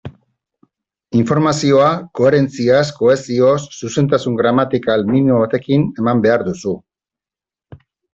Informazioa koherentziaz, kohesioz, zuzentasun gramatikal minimo batekin eman behar duzu.